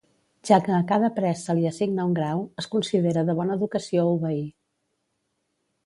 Ja que a cada pres se li assigna un grau, es considera de bona educació obeir.